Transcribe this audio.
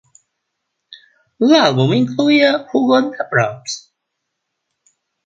L'àlbum incloïa Who Got Da Props?